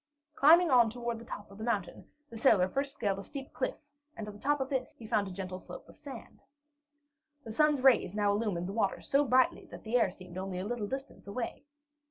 Climbing on toward the top of the mountain, the sailor first scaled a steep cliff, and at the top of this he found a gentle slope of sand. The sun's rays now illumined the water so brightly that the air seemed only a little distance away.